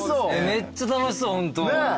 めっちゃ楽しそうホント。